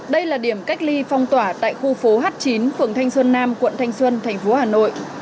đây là điểm cách ly phong tỏa tại khu phố h chín phường thanh xuân nam quận thanh xuân thành phố hà nội